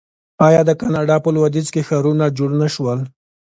آیا د کاناډا په لویدیځ کې ښارونه جوړ نشول؟